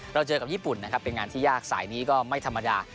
เราเจอกับญี่ปุ่นนะครับเป็นงานที่ยากสายนี้ก็ไม่ธรรมดา